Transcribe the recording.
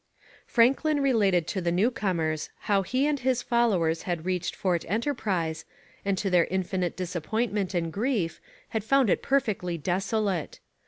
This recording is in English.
Franklin related to the new comers how he and his followers had reached Fort Enterprise, and to their infinite disappointment and grief had found it perfectly desolate.